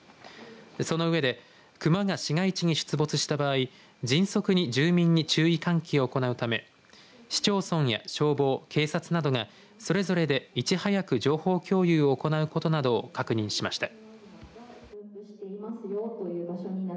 その上でクマが市街地に出没した場合迅速に住民に注意喚起を行うため市町村や消防、警察などがそれぞれで、いち早く情報共有を行うことなどを確認しました。